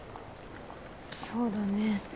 そうだね。